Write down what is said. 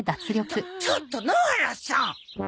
ちょちょっと野原さん！？